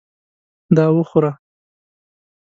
دا وخوره !